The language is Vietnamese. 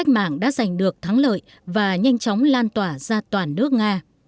thắng lợi của cách mạng thắng lợi và nhanh chóng lan tỏa ra toàn nước nga